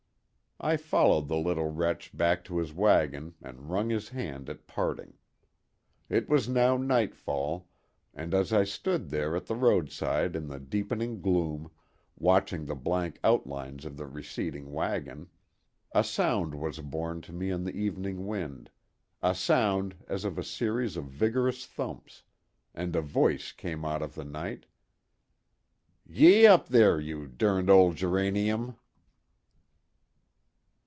I followed the little wretch back to his wagon and wrung his hand at parting. It was now nightfall, and as I stood there at the roadside in the deepening gloom, watching the blank outlines of the receding wagon, a sound was borne to me on the evening wind—a sound as of a series of vigorous thumps—and a voice came out of the night: "Gee up, there, you derned old Geranium."